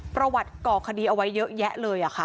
ประวัติก่อคดีเอาไว้เยอะแยะเลยค่ะ